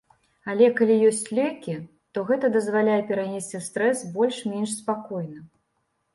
Але, калі ёсць лекі, то гэта дазваляе перанесці стрэс больш-менш спакойна.